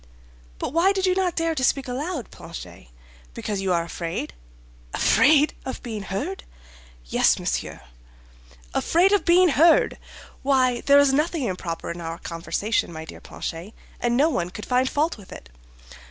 "But why did you not dare to speak aloud, Planchet—because you are afraid?" "Afraid of being heard? Yes, monsieur." "Afraid of being heard! Why, there is nothing improper in our conversation, my dear Planchet, and no one could find fault with it."